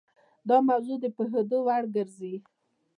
دا موضوع د پوهېدو وړ ګرځوي.